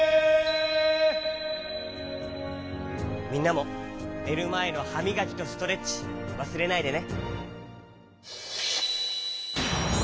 みんなもねるまえのはみがきとストレッチわすれないでね！